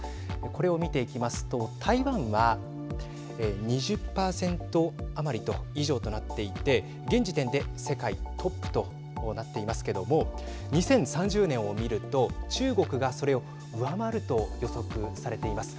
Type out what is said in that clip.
これを見ていきますと、台湾は２０％余り、以上となっていて現時点で世界トップとなっていますけれども２０３０年を見ると中国がそれを上回ると予測されています。